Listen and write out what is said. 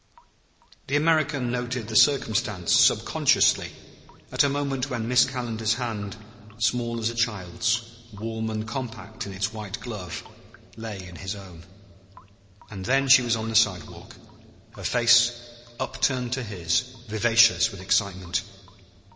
The American noted the circumstance subconsciously, at a moment when Miss Calendar's hand, small as a child's, warm and compact in its white glove, lay in his own. And then she was on the sidewalk, her face, upturned to his, vivacious with excitement.